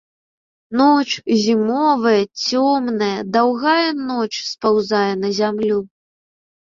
Ноч, зімовая, цёмная, даўгая ноч спаўзае на зямлю.